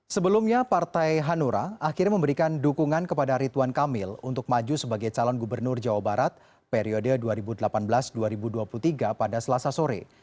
sebelumnya partai hanura akhirnya memberikan dukungan kepada rituan kamil untuk maju sebagai calon gubernur jawa barat periode dua ribu delapan belas dua ribu dua puluh tiga pada selasa sore